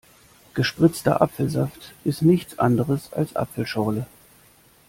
Gespritzter Apfelsaft ist nichts anderes als Apfelschorle.